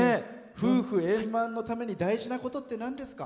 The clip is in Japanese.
夫婦円満のために大事なことってなんですか？